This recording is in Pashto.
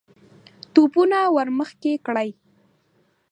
توپونه ور مخکې کړئ!